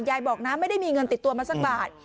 บอกนะไม่ได้มีเงินติดตัวมาสักบาท